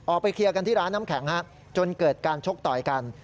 เคลียร์กันที่ร้านน้ำแข็งจนเกิดการชกต่อยกัน